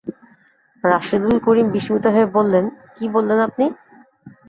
রাশেদুল করিম বিস্মিত হয়ে বললেন, কী বলছেন আপনি!